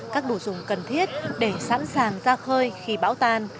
các đồ dùng cần thiết để sẵn sàng ra khơi khi bão tan